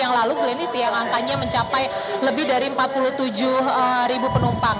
yang lalu klinis yang angkanya mencapai lebih dari empat puluh tujuh ribu penumpang